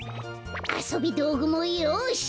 あそびどうぐもよし！